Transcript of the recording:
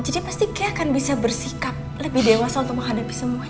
jadi pasti kay akan bisa bersikap lebih dewasa untuk menghadapi seorang perempuan